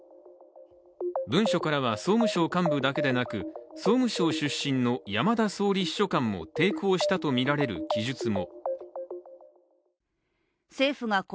文書からは、総務省幹部だけでなく総務省出身の山田総理秘書官も抵抗したとみられる記述も。